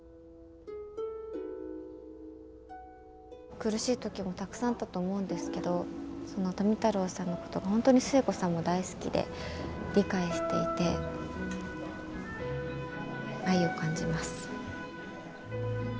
苦しい時もたくさんあったと思うんですけど富太郎さんのことが本当に壽衛さんも大好きで理解していて愛を感じます。